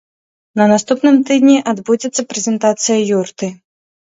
На наступным тыдні адбудзецца прэзентацыя юрты.